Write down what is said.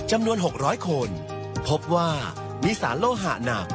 จำนวน๖๐๐คนพบว่ามีสารโลหะหนัก